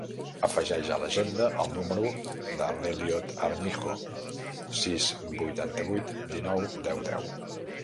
Afegeix a l'agenda el número de l'Elliot Armijo: sis, vuitanta-vuit, dinou, deu, deu.